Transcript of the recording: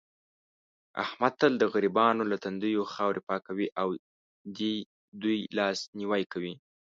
احمد تل د غریبانو له تندیو خاورې پاکوي او دې دوی لاس نیوی کوي.